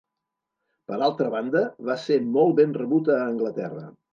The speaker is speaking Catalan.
Per altra banda, va ser molt ben rebut a Anglaterra.